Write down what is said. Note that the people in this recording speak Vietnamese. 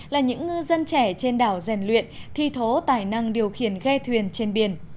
là những ngư dân trẻ trên đảo rèn luyện thi thố tài năng điều khiển ghe thuyền trên biển